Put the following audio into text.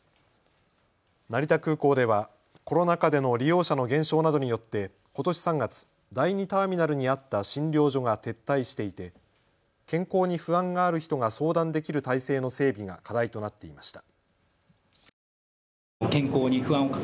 成田空港ではコロナ禍での利用者の減少などによって、ことし３月、第２ターミナルにあった診療所が撤退していて健康に不安がある人が相談できる体制の整備が課題となっていました。